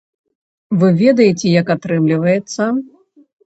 Вы ведаеце, як атрымліваецца.